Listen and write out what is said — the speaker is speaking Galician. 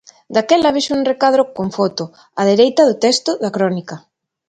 Daquela vexo un recadro con foto, á dereita do texto da crónica.